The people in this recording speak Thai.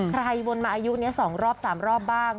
วนมาอายุนี้๒รอบ๓รอบบ้าง